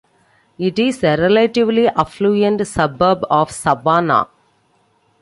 It is a relatively affluent suburb of Savannah.